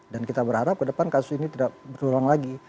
dan kita berharap ke depan kasus ini tidak berulang lagi